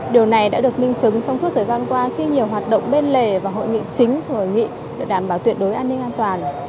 điều này đã được minh chứng trong suốt thời gian qua khi nhiều hoạt động bên lề và hội nghị chính hội nghị để đảm bảo tuyệt đối an ninh an toàn